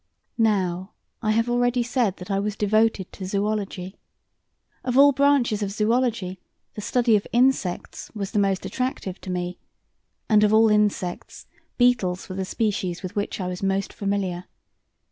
Now, I have already said that I was devoted to zoology. Of all branches of zoology, the study of insects was the most attractive to me, and of all insects beetles were the species with which I was most familiar.